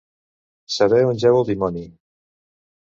Saber on jeu el dimoni.